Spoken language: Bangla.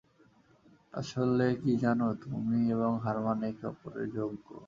আসলে কি জানো, তুমি এবং হারমান একে অপরের যোগ্য।